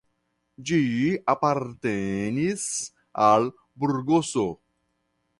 Ĝi apartenis al Burgoso.